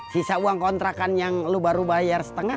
sisa uang kontrakan yang lu baru bayar setengah